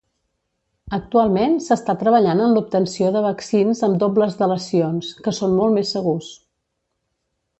Actualment s'està treballant en l'obtenció de vaccins amb dobles delecions, que són molt més segurs.